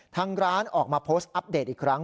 ทางร้านออกมาโพสต์อัปเดตอีกครั้ง